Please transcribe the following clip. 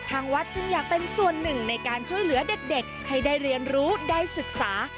ทางวัดจึงอยากเป็นส่วนหนึ่งในการช่วยเหลือเด็กให้ได้เรียนรู้ได้ศึกษา